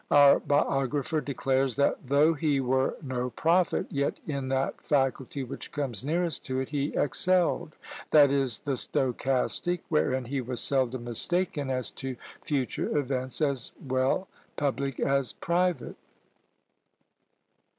Our biographer declares, that "though he were no prophet, yet in that faculty which comes nearest to it, he excelled, i.e., the Stochastic, wherein he was seldom mistaken as to future events, as well public as private."